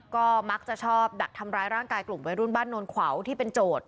ก็มักจะชอบดักทำร้ายร่างกายกลุ่มวัยรุ่นบ้านโนนขวาวที่เป็นโจทย์